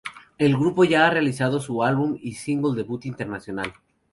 El grupo ya ha realizado su álbum y single debut internacional.